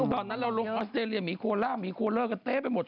ตอนนั้นเราลงออสเตรเลียหมีโคล่าหมีโคเลอร์กันเต๊ะไปหมด